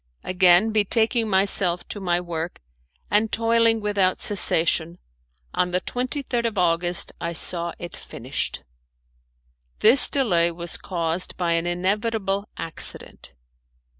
Again betaking myself to my work, and toiling without cessation, on the 23rd of August I saw it finished. This delay was caused by an inevitable accident.